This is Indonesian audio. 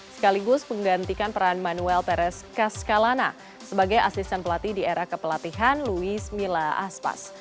sekaligus menggantikan peran manuel perez cascalana sebagai asisten pelatih di era kepelatihan luis mila aspas